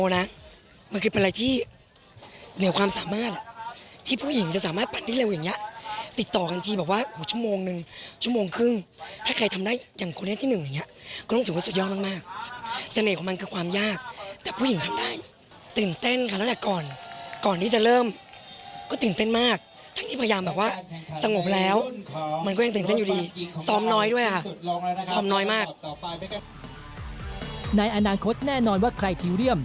ในอนาคตแน่นอนว่าใครพิวเดียม